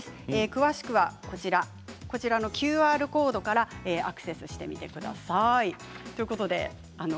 詳しくはＱＲコードからアクセスしてみてください。